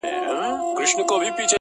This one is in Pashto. كوم خوشال به لړزوي په كټ كي زړونه٫